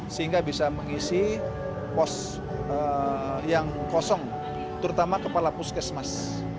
sehingga bisa mengisi pos yang kosong terutama kepala puskesmas